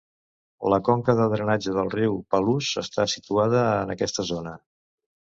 La conca de drenatge del riu Palouse està situada en aquesta zona.